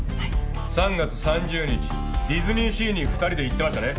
３月３０日ディズニーシーに２人で行ってましたね。